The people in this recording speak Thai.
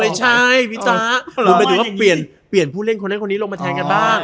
ไม่ใช่พี่ต๊าเปลี่ยนผู้เล่นคนลงมาแทงกันบ้าง